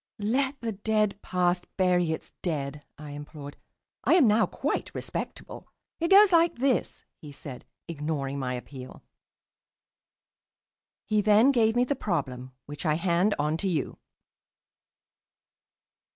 "Let the dead past bury its dead," I implored. "I am now quite respectable." "It goes like this," he said, ignoring my appeal. He then gave me the problem, which I hand on to you.